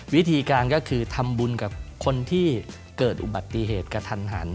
วิธีการก็คือทำบุญกับคนที่เกิดอุบัติเหตุกระทันหัน